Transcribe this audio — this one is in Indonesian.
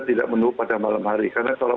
tidak menuh pada malam hari karena kalau